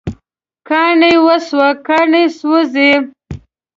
کاڼي وسوه، کاڼي سوزی